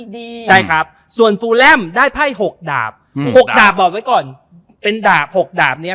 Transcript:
ดูไปในทางที่ดี